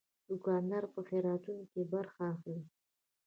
دوکاندار په خیراتو کې برخه اخلي.